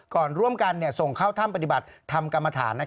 ก่อนร่วมกันส่งเข้าถ้ำปฏิบัติธรรมกรรมฐาน